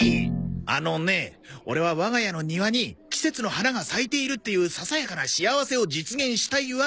あのねえオレは我が家の庭に季節の花が咲いているっていうささやかな幸せを実現したいわけ。